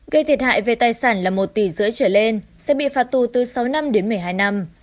gây thiệt hại về tài sản là một tỷ rưỡi trở lên sẽ bị phạt tù từ sáu năm đến một mươi hai năm